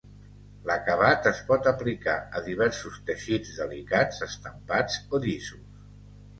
L'acabat es pot aplicar a diversos teixits delicats, estampats o llisos.